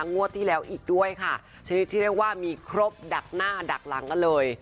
งวดที่แล้วอีกด้วยค่ะชนิดที่เรียกว่ามีครบดักหน้าดักหลังกันเลย